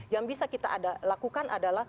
yang bisa kita lakukan adalah